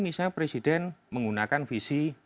misalnya presiden menggunakan visi